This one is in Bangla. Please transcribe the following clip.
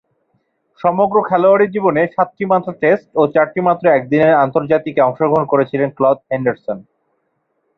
সমগ্র খেলোয়াড়ী জীবনে সাতটিমাত্র টেস্ট ও চারটিমাত্র একদিনের আন্তর্জাতিকে অংশগ্রহণ করেছেন ক্লদ হেন্ডারসন।